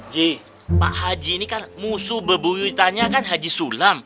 j pak haji ini kan musuh bebuyutannya kan haji sulam